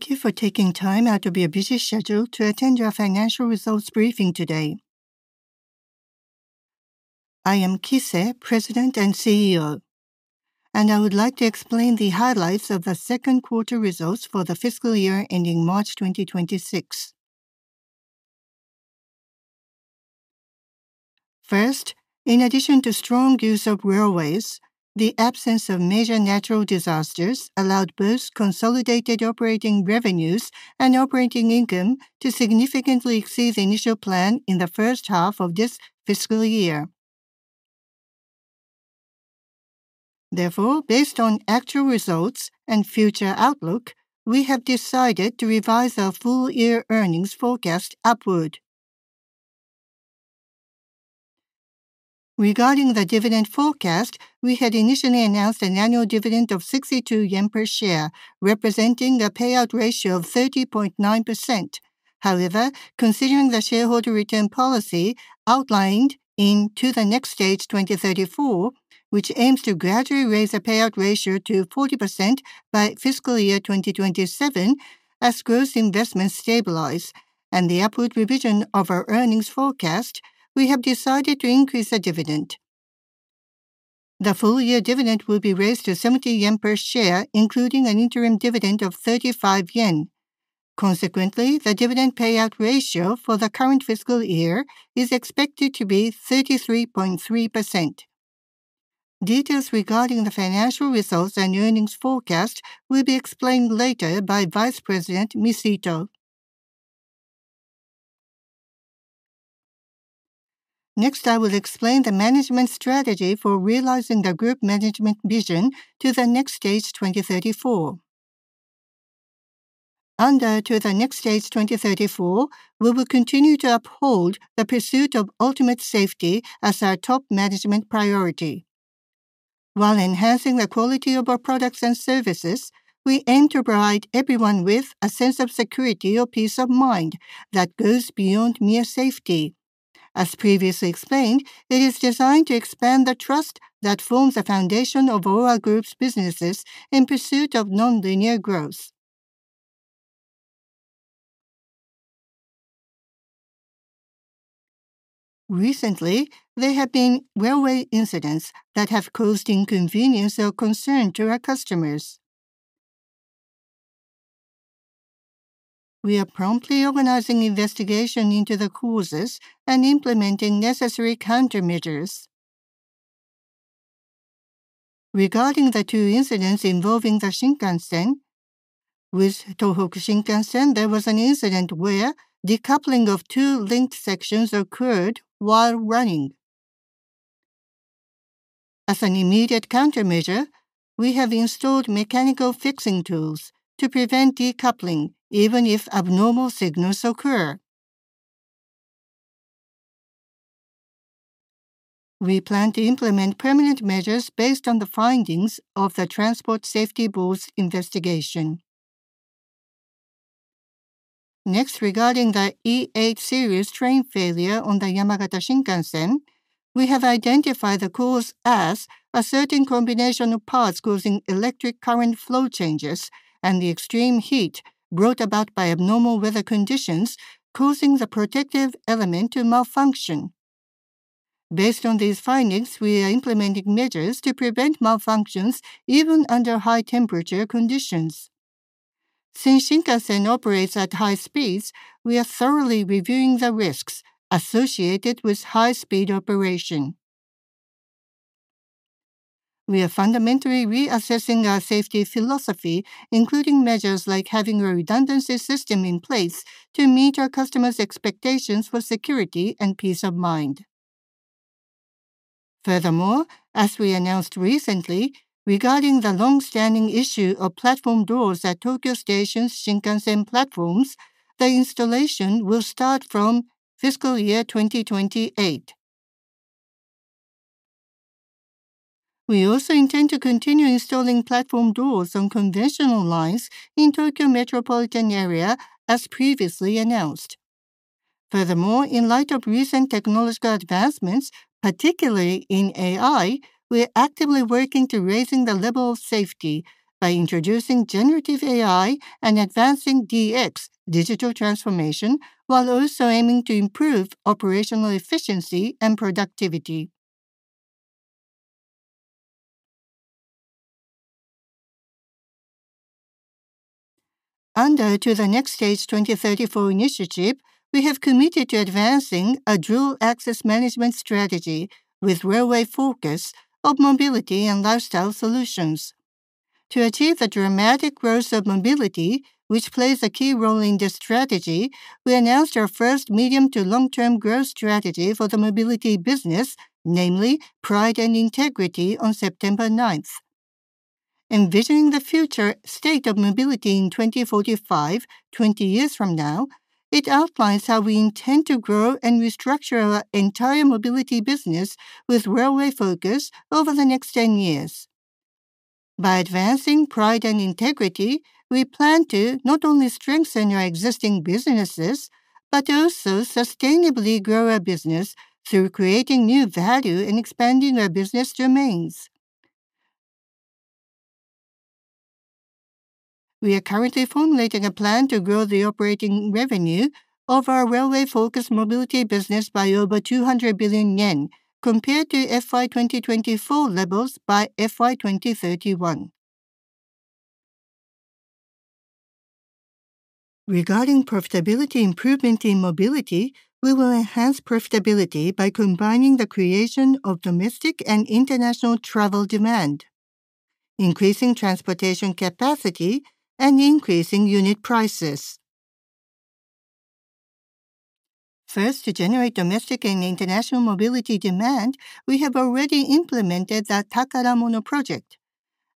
Thank you for taking time out of your busy schedule to attend our financial results briefing today. I am Kise, President and CEO, and I would like to explain the highlights of the second quarter results for the fiscal year ending March 2026. First, in addition to strong use of railways, the absence of major natural disasters allowed both consolidated operating revenues and operating income to significantly exceed the initial plan in the first half of this fiscal year. Therefore, based on actual results and future outlook, we have decided to revise our full-year earnings forecast upward. Regarding the dividend forecast, we had initially announced an annual dividend of 62 yen per share, representing a payout ratio of 30.9%. Considering the shareholder return policy outlined in To the Next Stage 2034, which aims to gradually raise the payout ratio to 40% by fiscal year 2027 as gross investments stabilize and the upward revision of our earnings forecast, we have decided to increase the dividend. The full-year dividend will be raised to 70 yen per share, including an interim dividend of 35 yen. Consequently, the dividend payout ratio for the current fiscal year is expected to be 33.3%. Details regarding the financial results and earnings forecast will be explained later by Vice President Mishito. I will explain the management strategy for realizing the group management vision To the Next Stage 2034. Under To the Next Stage 2034, we will continue to uphold the pursuit of ultimate safety as our top management priority. While enhancing the quality of our products and services, we aim to provide everyone with a sense of security or peace of mind that goes beyond mere safety. As previously explained, it is designed to expand the trust that forms the foundation of all our group's businesses in pursuit of nonlinear growth. Recently, there have been railway incidents that have caused inconvenience or concern to our customers. We are promptly organizing investigation into the causes and implementing necessary countermeasures. Regarding the two incidents involving the Shinkansen, with Tohoku Shinkansen, there was an incident where decoupling of two linked sections occurred while running. As an immediate countermeasure, we have installed mechanical fixing tools to prevent decoupling even if abnormal signals occur. We plan to implement permanent measures based on the findings of the Transport Safety Board's investigation. Regarding the E8 series train failure on the Yamagata Shinkansen, we have identified the cause as a certain combination of parts causing electric current flow changes and the extreme heat brought about by abnormal weather conditions causing the protective element to malfunction. Based on these findings, we are implementing measures to prevent malfunctions even under high temperature conditions. Since Shinkansen operates at high speeds, we are thoroughly reviewing the risks associated with high-speed operation. We are fundamentally reassessing our safety philosophy, including measures like having a redundancy system in place to meet our customers' expectations for security and peace of mind. As we announced recently, regarding the longstanding issue of platform doors at Tokyo Station's Shinkansen platforms, the installation will start from fiscal year 2028. We also intend to continue installing platform doors on conventional lines in Tokyo metropolitan area as previously announced. Furthermore, in light of recent technological advancements, particularly in AI, we are actively working to raising the level of safety by introducing generative AI and advancing DX, digital transformation, while also aiming to improve operational efficiency and productivity. Under To the Next Stage 2034 initiative, we have committed to advancing a dual access management strategy with railway focus of mobility and lifestyle solutions. To achieve the dramatic growth of mobility, which plays a key role in this strategy, we announced our first medium to long-term growth strategy for the mobility business, namely PRIDE & INTEGRITY, on September 9th. Envisioning the future state of mobility in 2045, 20 years from now, it outlines how we intend to grow and restructure our entire mobility business with railway focus over the next 10 years. By advancing PRIDE & INTEGRITY, we plan to not only strengthen our existing businesses, but also sustainably grow our business through creating new value and expanding our business domains. We are currently formulating a plan to grow the operating revenue of our railway-focused mobility business by over 200 billion yen compared to FY 2024 levels by FY 2031. Regarding profitability improvement in mobility, we will enhance profitability by combining the creation of domestic and international travel demand, increasing transportation capacity, and increasing unit prices. First, to generate domestic and international mobility demand, we have already implemented the Takaramono Project.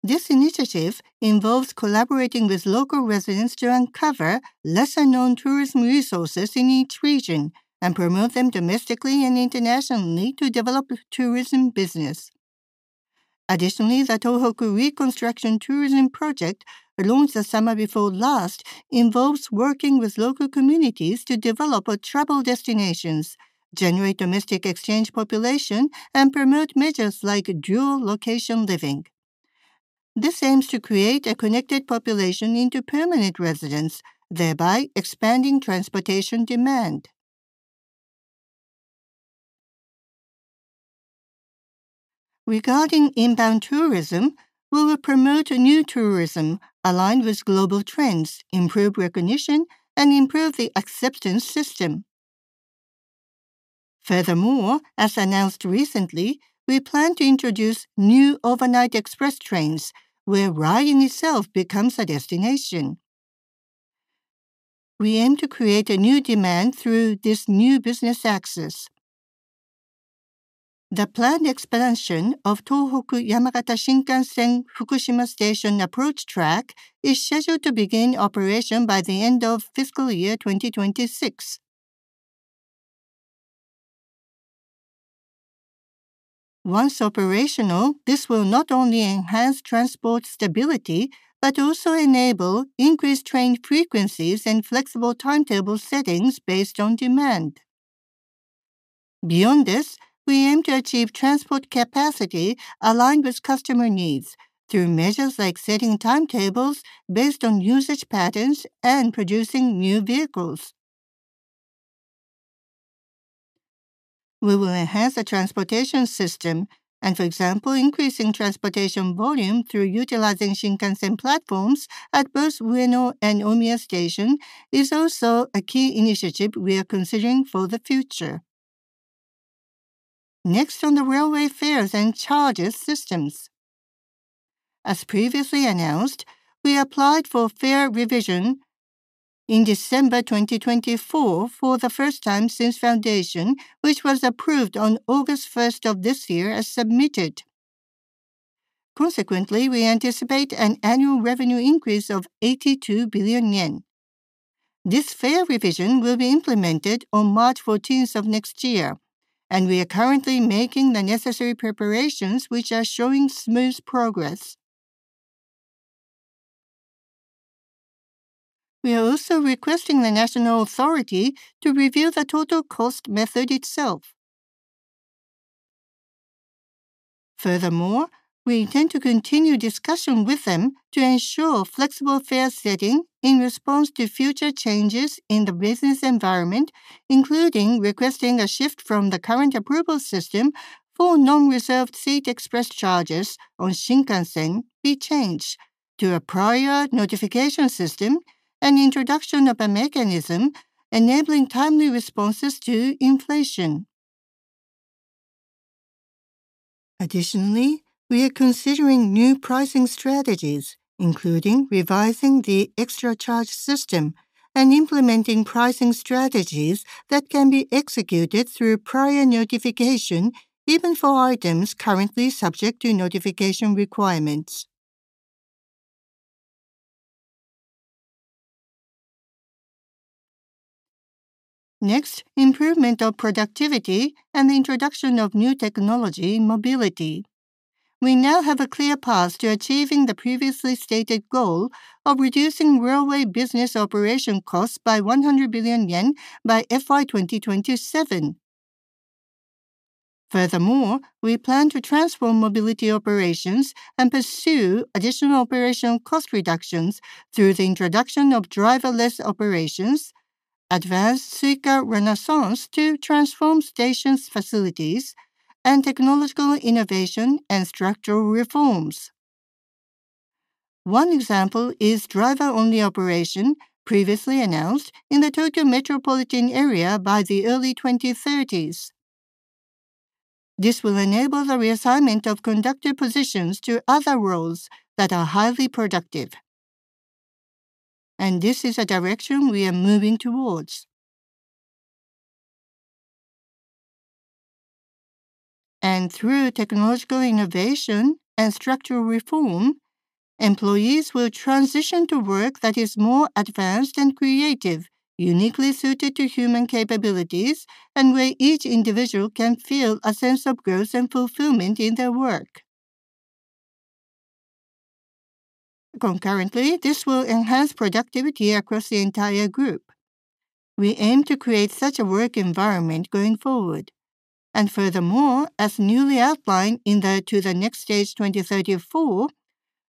This initiative involves collaborating with local residents to uncover lesser-known tourism resources in each region and promote them domestically and internationally to develop tourism business. Additionally, the Tohoku Reconstruction Tourism Project, launched the summer before last, involves working with local communities to develop travel destinations, generate domestic exchange population, and promote measures like dual location living. This aims to create a connected population into permanent residents, thereby expanding transportation demand. Regarding inbound tourism, we will promote a new tourism aligned with global trends, improve recognition, and improve the acceptance system. As announced recently, we plan to introduce new overnight express trains where riding itself becomes a destination. We aim to create a new demand through this new business axis. The planned expansion of Tōhoku Yamagata Shinkansen Fukushima station approach track is scheduled to begin operation by the end of fiscal year 2026. Once operational, this will not only enhance transport stability but also enable increased train frequencies and flexible timetable settings based on demand. Beyond this, we aim to achieve transport capacity aligned with customer needs through measures like setting timetables based on usage patterns and producing new vehicles. We will enhance the transportation system, for example, increasing transportation volume through utilizing Shinkansen platforms at both Ueno and Omiya Station is also a key initiative we are considering for the future. Next on the railway fares and charges systems. As previously announced, we applied for fare revision in December 2024 for the first time since foundation, which was approved on August 1st of this year as submitted. Consequently, we anticipate an annual revenue increase of 82 billion yen. This fare revision will be implemented on March 14th of next year, we are currently making the necessary preparations, which are showing smooth progress. We are also requesting the national authority to review the total cost method itself. We intend to continue discussion with them to ensure flexible fare setting in response to future changes in the business environment, including requesting a shift from the current approval system for non-reserved seat express charges on Shinkansen be changed to a prior notification system and introduction of a mechanism enabling timely responses to inflation. Additionally, we are considering new pricing strategies, including revising the extra charge system and implementing pricing strategies that can be executed through prior notification, even for items currently subject to notification requirements. Next, improvement of productivity and the introduction of new technology in mobility. We now have a clear path to achieving the previously stated goal of reducing railway business operation costs by 100 billion yen by FY 2027. We plan to transform mobility operations and pursue additional operational cost reductions through the introduction of driverless operations, advanced Suica Renaissance to transform stations' facilities, and technological innovation and structural reforms. One example is driver-only operation, previously announced in the Tokyo metropolitan area by the early 2030s. This will enable the reassignment of conductor positions to other roles that are highly productive. This is a direction we are moving towards. Through technological innovation and structural reform, employees will transition to work that is more advanced and creative, uniquely suited to human capabilities, and where each individual can feel a sense of growth and fulfillment in their work. Concurrently, this will enhance productivity across the entire group. We aim to create such a work environment going forward. Furthermore, as newly outlined in the To the Next Stage 2034,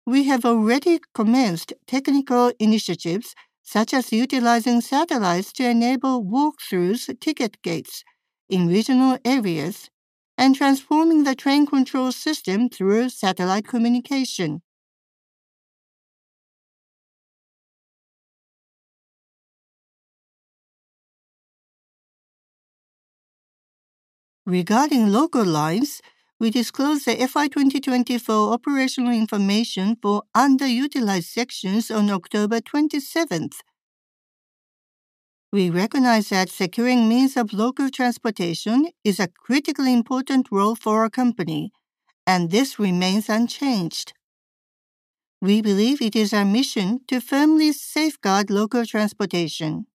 we have already commenced technical initiatives such as utilizing satellites to enable walkthroughs ticket gates in regional areas, and transforming the train control system through satellite communication. Regarding local lines, we disclosed the FY 2024 operational information for underutilized sections on October 27th. We recognize that securing means of local transportation is a critically important role for our company, and this remains unchanged. We believe it is our mission to firmly safeguard local transportation.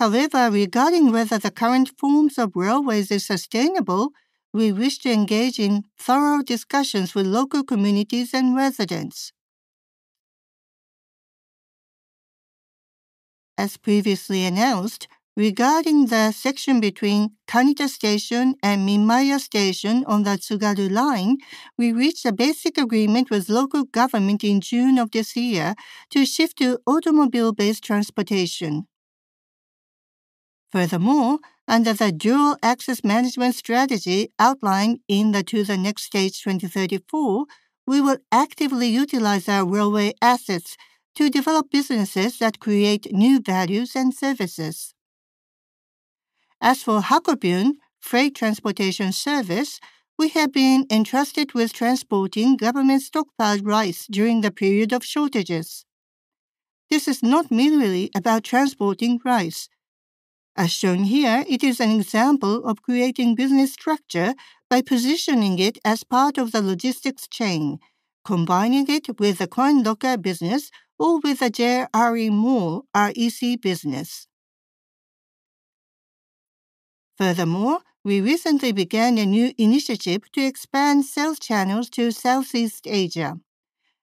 However, regarding whether the current forms of railways is sustainable, we wish to engage in thorough discussions with local communities and residents. As previously announced, regarding the section between Kanita Station and Minmaya Station on the Tsugaru Line, we reached a basic agreement with local government in June of this year to shift to automobile-based transportation. Under the dual access management strategy outlined in the To the Next Stage 2034, we will actively utilize our railway assets to develop businesses that create new values and services. As for Hakobun, freight transportation service, we have been entrusted with transporting government stockpiled rice during the period of shortages. This is not merely about transporting rice. As shown here, it is an example of creating business structure by positioning it as part of the logistics chain, combining it with a coin locker business or with a JR-RE MO REC business. Furthermore, we recently began a new initiative to expand sales channels to Southeast Asia.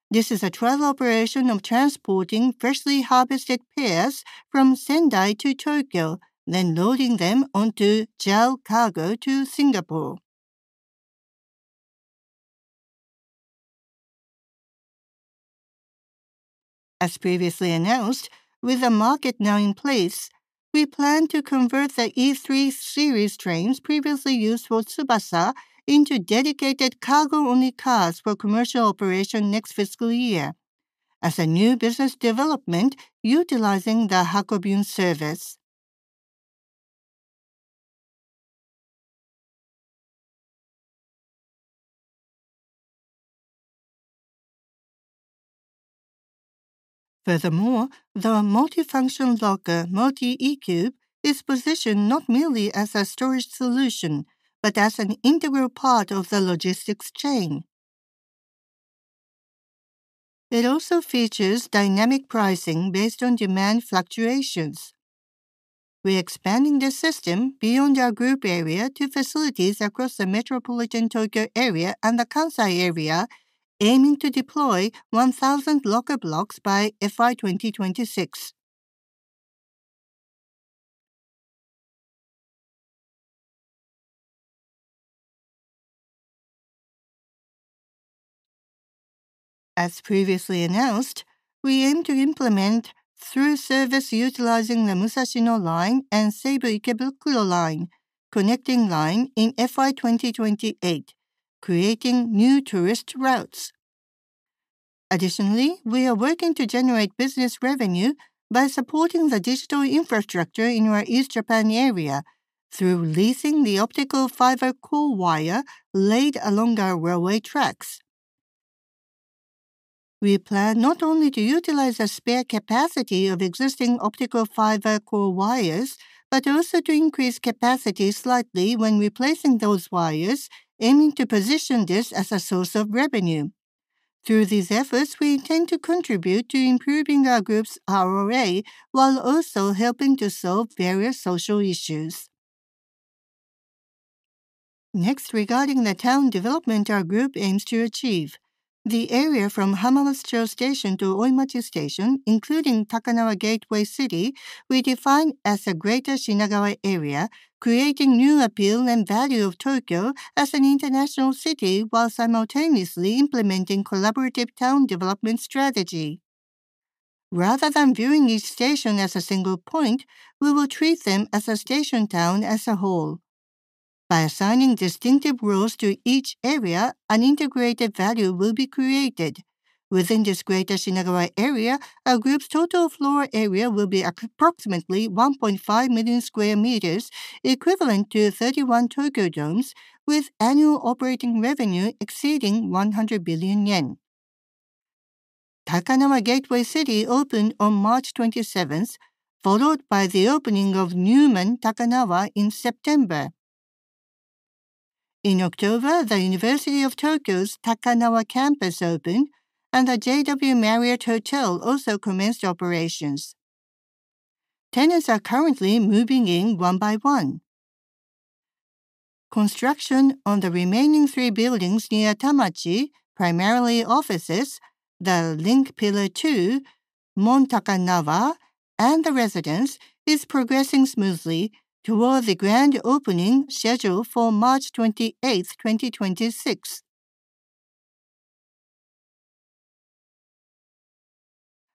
This is a trial operation of transporting freshly harvested pears from Sendai to Tokyo, then loading them onto JAL cargo to Singapore. As previously announced, with the market now in place, we plan to convert the E3 series trains previously used for Tsubasa into dedicated cargo-only cars for commercial operation next fiscal year as a new business development utilizing the Hakobun service. Furthermore, the multifunction locker, Multi E-Cube, is positioned not merely as a storage solution, but as an integral part of the logistics chain. It also features dynamic pricing based on demand fluctuations. We're expanding the system beyond our group area to facilities across the metropolitan Tokyo area and the Kansai area, aiming to deploy 1,000 locker blocks by FY 2026. As previously announced, we aim to implement through service utilizing the Musashino Line and Seibu Ikebukuro Line connecting line in FY 2028, creating new tourist routes. Additionally, we are working to generate business revenue by supporting the digital infrastructure in our East Japan area through leasing the optical fiber core wire laid along our railway tracks. We plan not only to utilize the spare capacity of existing optical fiber core wires, but also to increase capacity slightly when replacing those wires, aiming to position this as a source of revenue. Through these efforts, we intend to contribute to improving our group's ROA while also helping to solve various social issues. Next, regarding the town development our group aims to achieve. The area from Hamamatsucho Station to Oimachi Station, including Takanawa Gateway City, we define as the Greater Shinagawa area, creating new appeal and value of Tokyo as an international city while simultaneously implementing collaborative town development strategy. Rather than viewing each station as a single point, we will treat them as a station town as a whole. By assigning distinctive roles to each area, an integrated value will be created. Within this Greater Shinagawa area, our group's total floor area will be approximately 1.5 million square meters, equivalent to 31 Tokyo Domes, with annual operating revenue exceeding 100 billion yen. Takanawa Gateway City opened on March 27th, followed by the opening of NEWoMan Takanawa in September. In October, The University of Tokyo's Takanawa campus opened, and the JW Marriott Hotel also commenced operations. Tenants are currently moving in one by one. Construction on the remaining three buildings near Tamachi, primarily offices, the Link Pillar 2, MoN Takanawa, and the residence, is progressing smoothly toward the grand opening scheduled for March 28th, 2026.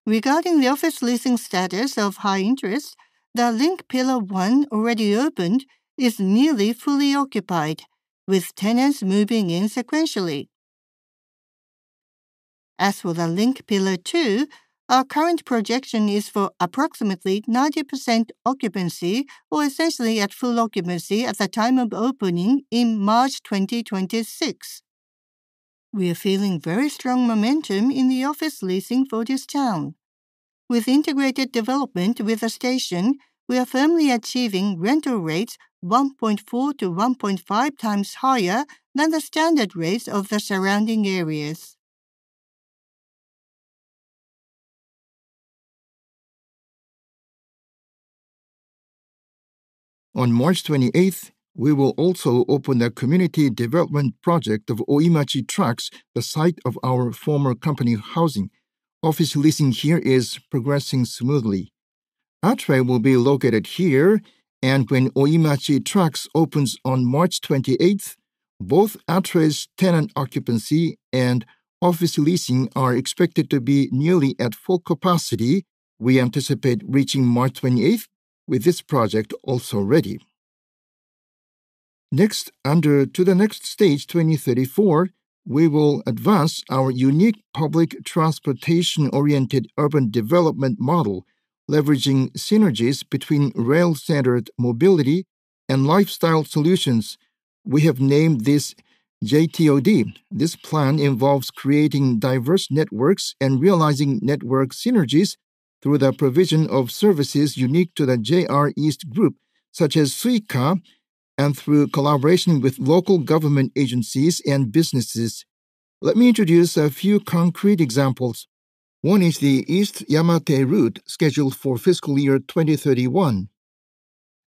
Regarding the office leasing status of high interest, the Link Pillar 1, already opened, is nearly fully occupied, with tenants moving in sequentially. As for the Link Pillar 2, our current projection is for approximately 90% occupancy, or essentially at full occupancy at the time of opening in March 2026. We are feeling very strong momentum in the office leasing for this town. With integrated development with the station, we are firmly achieving rental rates 1.4 to 1.5 times higher than the standard rates of the surrounding areas. On March 28th, we will also open the community development project of Oimachi Tracks, the site of our former company housing. Office leasing here is progressing smoothly. ATRE will be located here, and when Oimachi Tracks opens on March 28th, both ATRE's tenant occupancy and office leasing are expected to be nearly at full capacity. We anticipate reaching March 28th with this project also ready. Under To the Next Stage 2034, we will advance our unique public transportation-oriented urban development model, leveraging synergies between rail-centered mobility and lifestyle solutions. We have named this J-TOD. This plan involves creating diverse networks and realizing network synergies through the provision of services unique to the JR East Group, such as Suica, and through collaboration with local government agencies and businesses. Let me introduce a few concrete examples. One is the East Yamate route scheduled for fiscal year 2031.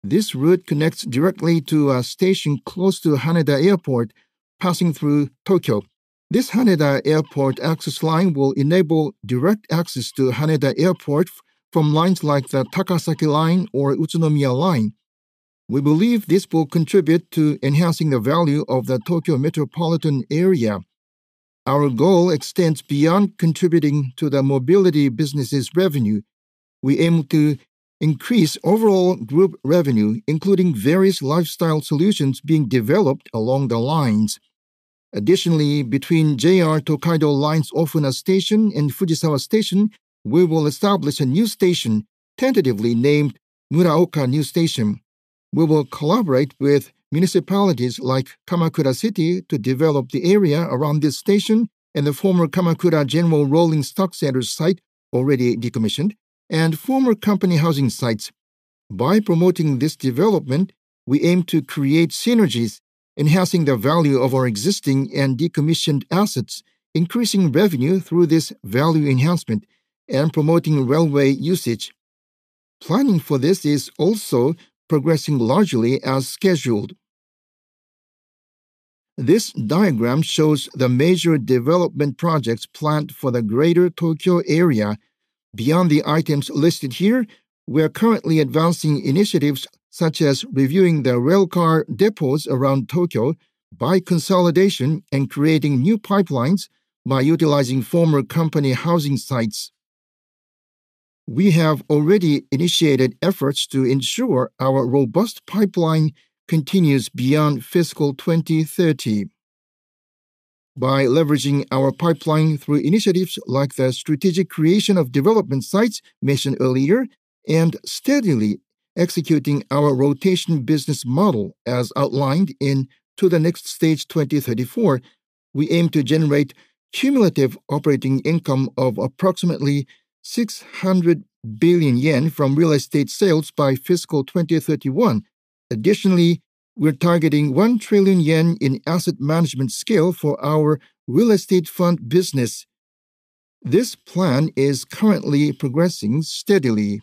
This route connects directly to a station close to Haneda Airport, passing through Tokyo. This Haneda Airport access line will enable direct access to Haneda Airport from lines like the Takasaki Line or Utsunomiya Line. We believe this will contribute to enhancing the value of the Tokyo metropolitan area. Our goal extends beyond contributing to the mobility business' revenue. We aim to increase overall group revenue, including various lifestyle solutions being developed along the lines. Between JR Tokaido Line's Ofuna Station and Fujisawa Station, we will establish a new station, tentatively named Muraoka New Station. We will collaborate with municipalities like Kamakura City to develop the area around this station and the former Kamakura General Rolling Stock Center site, already decommissioned, and former company housing sites. By promoting this development, we aim to create synergies, enhancing the value of our existing and decommissioned assets, increasing revenue through this value enhancement, and promoting railway usage. Planning for this is also progressing largely as scheduled. This diagram shows the major development projects planned for the Greater Tokyo area. Beyond the items listed here, we are currently advancing initiatives such as reviewing the rail car depots around Tokyo by consolidation and creating new pipelines by utilizing former company housing sites. We have already initiated efforts to ensure our robust pipeline continues beyond fiscal 2030. By leveraging our pipeline through initiatives like the strategic creation of development sites mentioned earlier and steadily executing our rotation business model as outlined in To the Next Stage 2034, we aim to generate cumulative operating income of approximately 600 billion yen from real estate sales by fiscal 2031. We're targeting 1 trillion yen in asset management scale for our real estate fund business. This plan is currently progressing steadily.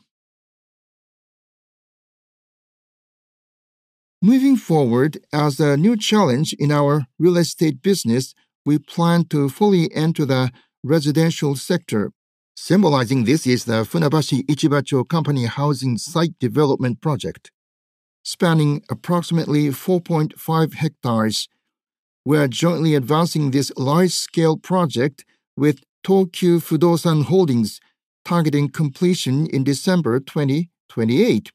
As a new challenge in our real estate business, we plan to fully enter the residential sector. Symbolizing this is the Funabashi Ichiba-cho Company housing site development project, spanning approximately 4.5 hectares. We are jointly advancing this large-scale project with Tokyu Fudosan Holdings, targeting completion in December 2028.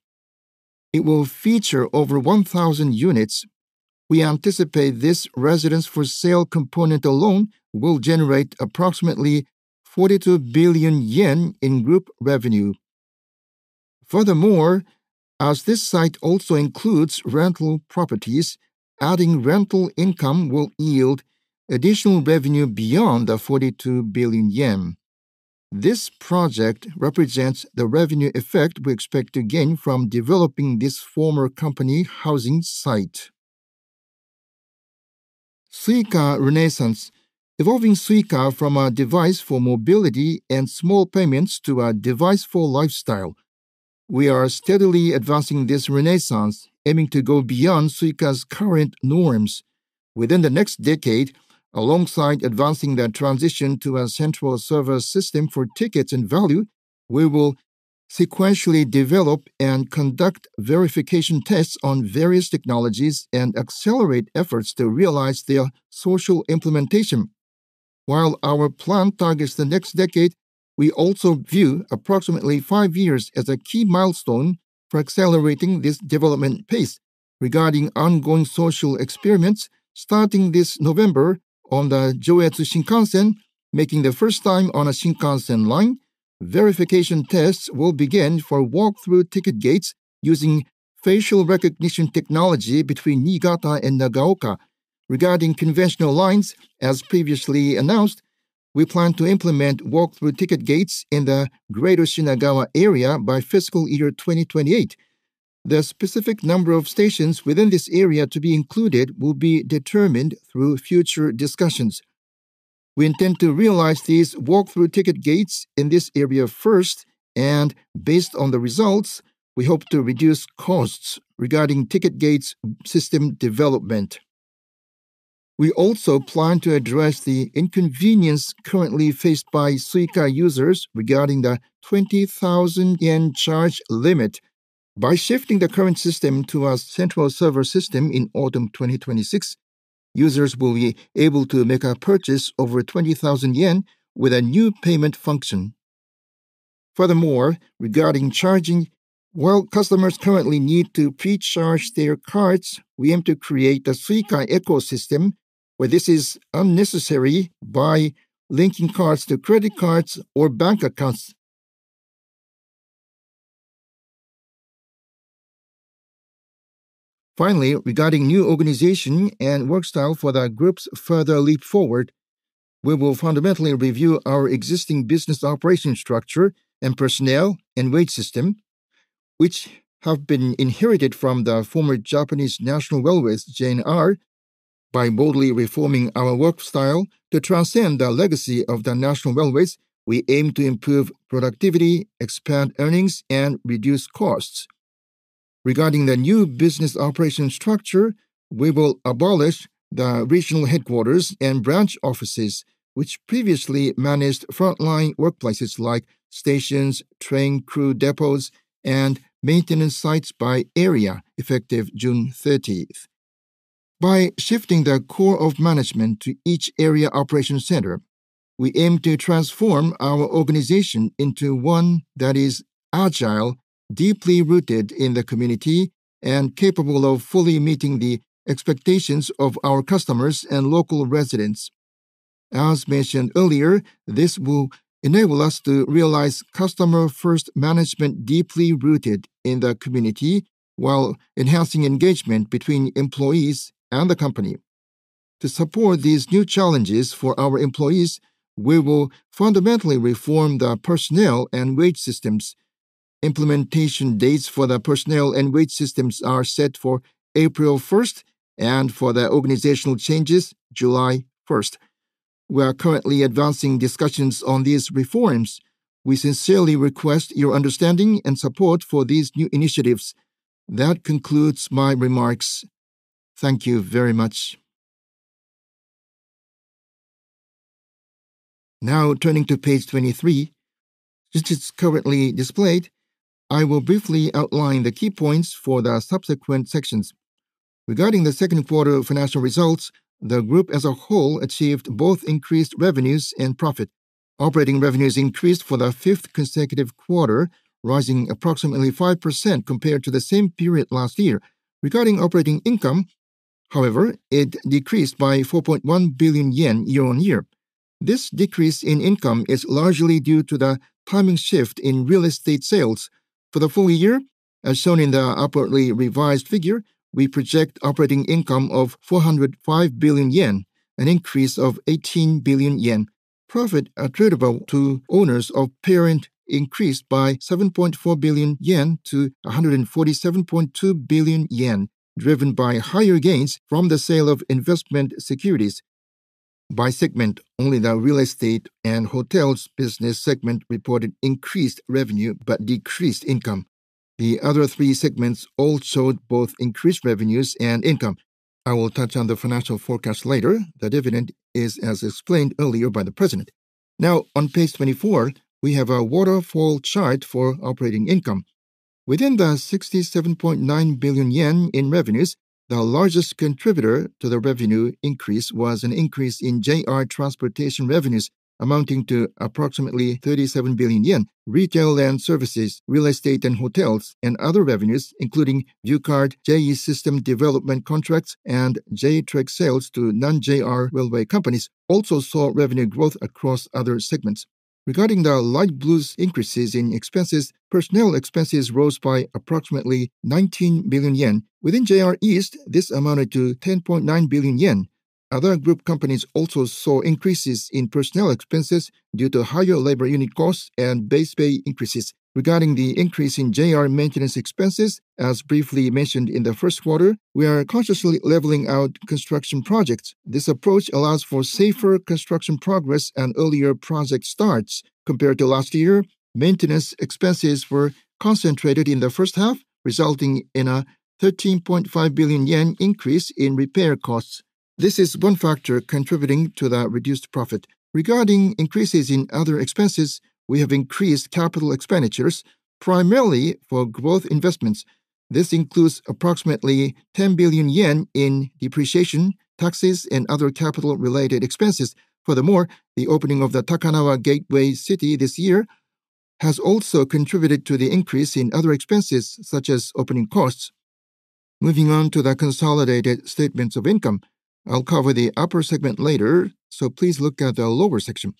It will feature over 1,000 units. We anticipate this residence-for-sale component alone will generate approximately 42 billion yen in group revenue. As this site also includes rental properties, adding rental income will yield additional revenue beyond the 42 billion yen. This project represents the revenue effect we expect to gain from developing this former company housing site. Suica Renaissance, evolving Suica from a device for mobility and small payments to a device for lifestyle. We are steadily advancing this Suica Renaissance, aiming to go beyond Suica's current norms. Within the next decade, alongside advancing the transition to a central server system for tickets and value, we will sequentially develop and conduct verification tests on various technologies and accelerate efforts to realize their social implementation. While our plan targets the next decade, we also view approximately five years as a key milestone for accelerating this development pace. Regarding ongoing social experiments, starting this November on the Joetsu Shinkansen, making the first time on a Shinkansen line, verification tests will begin for walk-through ticket gates using facial recognition technology between Niigata and Nagaoka. Regarding conventional lines, as previously announced, we plan to implement walk-through ticket gates in the greater Shinagawa area by fiscal year 2028. The specific number of stations within this area to be included will be determined through future discussions. We intend to realize these walk-through ticket gates in this area first, and based on the results, we hope to reduce costs regarding ticket gates system development. We also plan to address the inconvenience currently faced by Suica users regarding the 20,000 yen charge limit. By shifting the current system to a central server system in autumn 2026, users will be able to make a purchase over 20,000 yen with a new payment function. Regarding charging, while customers currently need to pre-charge their cards, we aim to create a Suica ecosystem where this is unnecessary by linking cards to credit cards or bank accounts. Finally, regarding new organization and work style for the group's further leap forward, we will fundamentally review our existing business operation structure and personnel and wage system, which have been inherited from the former Japanese National Railways, JNR. By boldly reforming our work style to transcend the legacy of the National Railways, we aim to improve productivity, expand earnings, and reduce costs. Regarding the new business operation structure, we will abolish the regional headquarters and branch offices, which previously managed frontline workplaces like stations, train crew depots, and maintenance sites by area effective June 30th. By shifting the core of management to each area operation center, we aim to transform our organization into one that is agile, deeply rooted in the community, and capable of fully meeting the expectations of our customers and local residents. As mentioned earlier, this will enable us to realize customer-first management deeply rooted in the community while enhancing engagement between employees and the company. To support these new challenges for our employees, we will fundamentally reform the personnel and wage systems. Implementation dates for the personnel and wage systems are set for April 1st, and for the organizational changes, July 1st. We are currently advancing discussions on these reforms. We sincerely request your understanding and support for these new initiatives. That concludes my remarks. Thank you very much. Turning to page 23, which is currently displayed, I will briefly outline the key points for the subsequent sections. Regarding the second quarter financial results, the group as a whole achieved both increased revenues and profit. Operating revenues increased for the fifth consecutive quarter, rising approximately 5% compared to the same period last year. Regarding operating income, however, it decreased by 4.1 billion yen year-over-year. This decrease in income is largely due to the timing shift in real estate sales. For the full year, as shown in the upwardly revised figure, we project operating income of 405 billion yen, an increase of 18 billion yen. Profit attributable to owners of parent increased by 7.4 billion yen to 147.2 billion yen, driven by higher gains from the sale of investment securities. By segment, only the real estate and hotels business segment reported increased revenue but decreased income. The other three segments all showed both increased revenues and income. I will touch on the financial forecast later. The dividend is as explained earlier by the president. On page 24, we have a waterfall chart for operating income. Within the 67.9 billion yen in revenues, the largest contributor to the revenue increase was an increase in JR transportation revenues amounting to approximately 37 billion yen. Retail and services, real estate and hotels, and other revenues including View Card, JR East system development contracts, and J-TREC sales to non-JR railway companies also saw revenue growth across other segments. Regarding the light blue increases in expenses, personnel expenses rose by approximately 19 billion yen. Within JR East, this amounted to 10.9 billion yen. Other group companies also saw increases in personnel expenses due to higher labor unit costs and base pay increases. Regarding the increase in JR maintenance expenses, as briefly mentioned in the first quarter, we are consciously leveling out construction projects. This approach allows for safer construction progress and earlier project starts. Compared to last year, maintenance expenses were concentrated in the first half, resulting in a 13.5 billion yen increase in repair costs. This is one factor contributing to that reduced profit. Regarding increases in other expenses, we have increased capital expenditures primarily for growth investments. This includes approximately 10 billion yen in depreciation, taxes, and other capital-related expenses. Furthermore, the opening of the Takanawa Gateway City this year has also contributed to the increase in other expenses, such as opening costs. Moving on to the consolidated statements of income. I will cover the upper segment later, so please look at the lower section.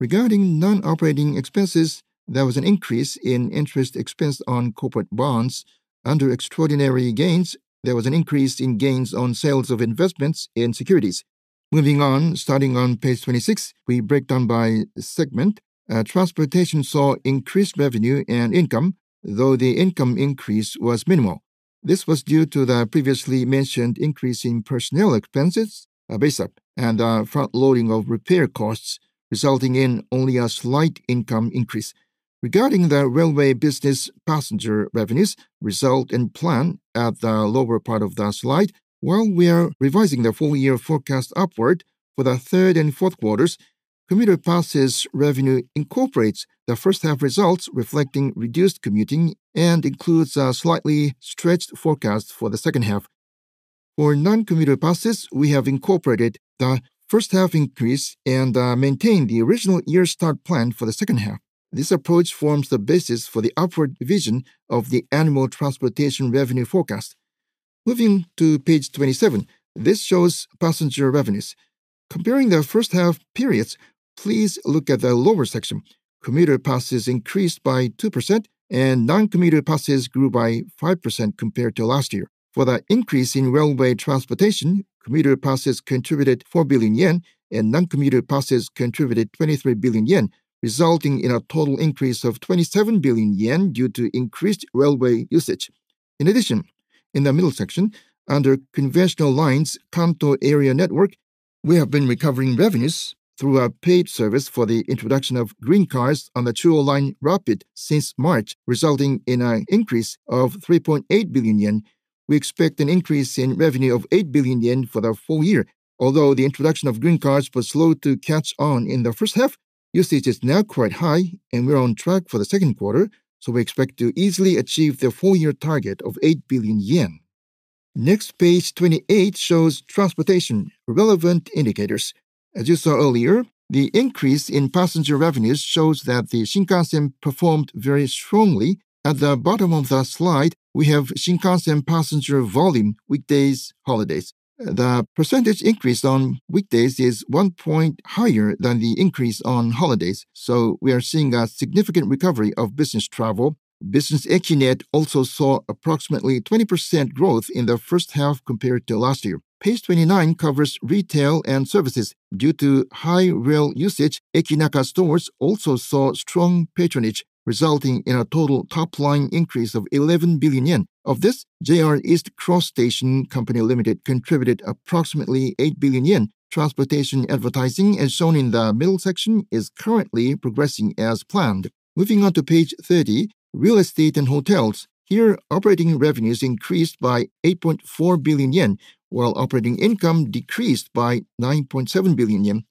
Regarding non-operating expenses, there was an increase in interest expense on corporate bonds. Under extraordinary gains, there was an increase in gains on sales of investments in securities. Moving on, starting on page 26, we break down by segment. Transportation saw increased revenue and income, though the income increase was minimal. This was due to the previously mentioned increase in personnel expenses, base up, and the front-loading of repair costs, resulting in only a slight income increase. Regarding the railway business passenger revenues, result and plan at the lower part of the slide. While we are revising the full-year forecast upward for the third and fourth quarters, commuter passes revenue incorporates the first-half results reflecting reduced commuting and includes a slightly stretched forecast for the second half. For non-commuter passes, we have incorporated the first-half increase and maintained the original year-start plan for the second half. This approach forms the basis for the upward revision of the annual transportation revenue forecast. Moving to page 27, this shows passenger revenues. Comparing the first half periods, please look at the lower section. Commuter passes increased by 2% and non-commuter passes grew by 5% compared to last year. For the increase in railway transportation, commuter passes contributed 4 billion yen and non-commuter passes contributed 23 billion yen, resulting in a total increase of 27 billion yen due to increased railway usage. In addition, in the middle section, under conventional lines, Kanto area network, we have been recovering revenues through our paid service for the introduction of Green Cars on the Chuo Line Rapid since March, resulting in an increase of 3.8 billion yen. We expect an increase in revenue of 8 billion yen for the full year. Although the introduction of Green Cars was slow to catch on in the first half, usage is now quite high and we're on track for the second quarter, we expect to easily achieve the full-year target of 8 billion yen. Page 28 shows transportation relevant indicators. As you saw earlier, the increase in passenger revenues shows that the Shinkansen performed very strongly. At the bottom of the slide, we have Shinkansen passenger volume, weekdays, holidays. The percentage increase on weekdays is one point higher than the increase on holidays, we are seeing a significant recovery of business travel. Business Eki-Net also saw approximately 20% growth in the first half compared to last year. Page 29 covers retail and services. Due to high rail usage, Ekinaka stores also saw strong patronage, resulting in a total top-line increase of 11 billion yen. Of this, JR East Cross Station Co., Ltd. contributed approximately 8 billion yen. Transportation advertising, as shown in the middle section, is currently progressing as planned. Moving on to page 30, real estate and hotels. Here, operating revenues increased by 8.4 billion yen, while operating income decreased by 9.7 billion yen.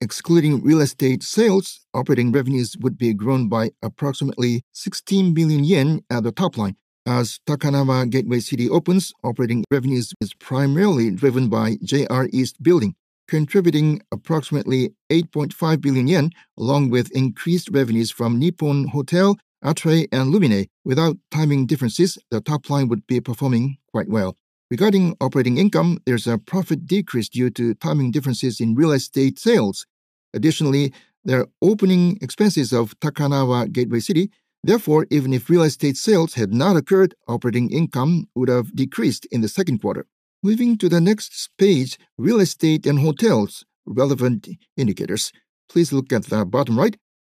Excluding real estate sales, operating revenues would be grown by approximately 16 billion yen at the top line. As Takanawa Gateway City opens, operating revenues is primarily driven by JR East Building, contributing approximately 8.5 billion yen, along with increased revenues from Nippon Hotel, Atre and Lumine. Without timing differences, the top line would be performing quite well. Regarding operating income, there's a profit decrease due to timing differences in real estate sales. There are opening expenses of Takanawa Gateway City. Therefore, even if real estate sales had not occurred, operating income would have decreased in the second quarter. Moving to the next page, real estate and hotels relevant indicators. Please look at the bottom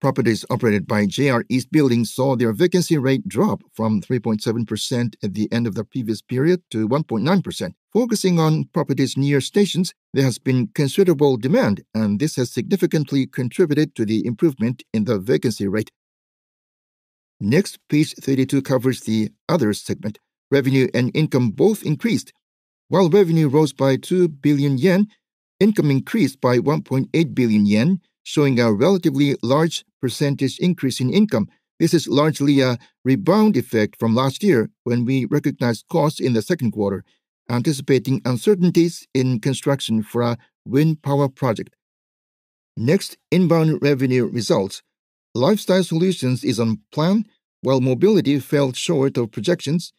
right. Properties operated by JR East Building saw their vacancy rate drop from 3.7% at the end of the previous period to 1.9%. Focusing on properties near stations, there has been considerable demand, and this has significantly contributed to the improvement in the vacancy rate. Page 32 covers the other segment. Revenue and income both increased. While revenue rose by 2 billion yen, income increased by 1.8 billion yen, showing a relatively large percentage increase in income. This is largely a rebound effect from last year when we recognized costs in the second quarter, anticipating uncertainties in construction for a wind power project. Inbound revenue results. Lifestyle Solutions is on plan, while Mobility fell short of projections,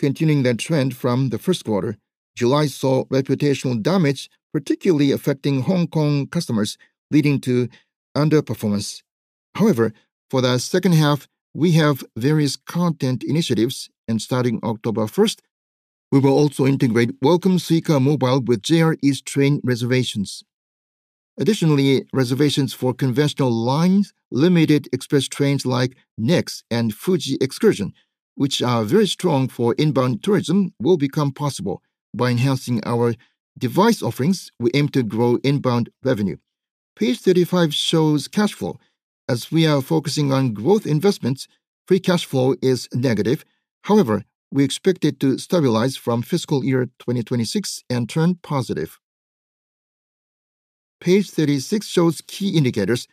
continuing the trend from the first quarter. July saw reputational damage, particularly affecting Hong Kong customers, leading to underperformance. For the second half, we have various content initiatives, and starting October 1st, we will also integrate Welcome Suica Mobile with JR East train reservations. Reservations for conventional lines, limited express trains like N'EX and Fuji EXCURSION, which are very strong for inbound tourism, will become possible. By enhancing our device offerings, we aim to grow inbound revenue. Page 35 shows cash flow. As we are focusing on growth investments, free cash flow is negative. However, we expect it to stabilize from fiscal year 2026 and turn positive. Page 36 shows key indicators.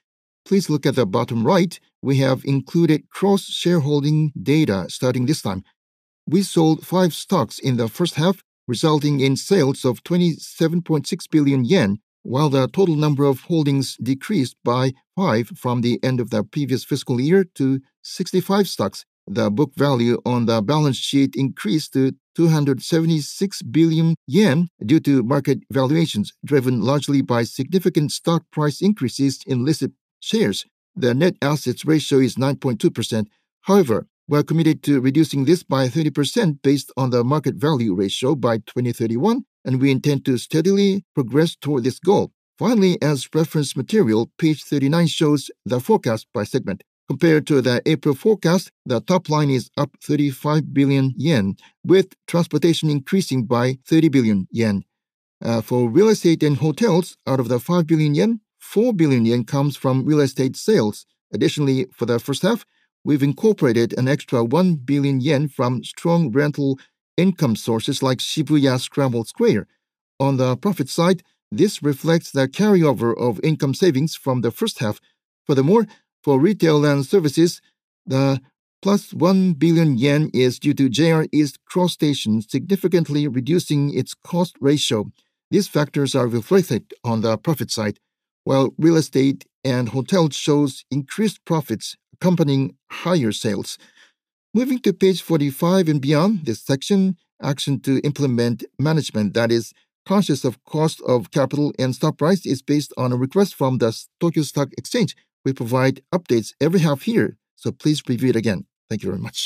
Please look at the bottom right. We have included cross-shareholding data starting this time. We sold five stocks in the first half, resulting in sales of 27.6 billion yen, while the total number of holdings decreased by five from the end of the previous fiscal year to 65 stocks. The book value on the balance sheet increased to 276 billion yen due to market valuations, driven largely by significant stock price increases in listed shares. The net assets ratio is 9.2%. However, we are committed to reducing this by 30% based on the market value ratio by 2031, and we intend to steadily progress toward this goal. Finally, as reference material, page 39 shows the forecast by segment. Compared to the April forecast, the top line is up 35 billion yen, with transportation increasing by 30 billion yen. For real estate and hotels, out of the 5 billion yen, 4 billion yen comes from real estate sales. Additionally, for the first half, we've incorporated an extra 1 billion yen from strong rental income sources like Shibuya Scramble Square. On the profit side, this reflects the carryover of income savings from the first half. Furthermore, for retail and services, the plus 1 billion yen is due to JR East Cross Station significantly reducing its cost ratio. These factors are reflected on the profit side, while real estate and hotels shows increased profits accompanying higher sales. Moving to page 45 and beyond, this section, Action to Implement Management that is Conscious of Cost of Capital and Stock Price, is based on a request from the Tokyo Stock Exchange. We provide updates every half year, so please review it again. Thank you very much.